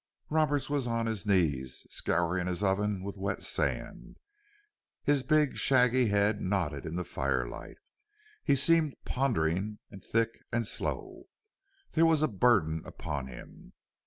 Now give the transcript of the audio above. Roberts was on his knees, scouring his oven with wet sand. His big, shaggy head nodded in the firelight. He seemed pondering and thick and slow. There was a burden upon him.